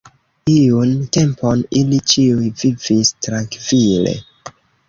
Iun tempon ili ĉiuj vivis trankvile.